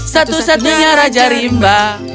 satu satunya raja rimba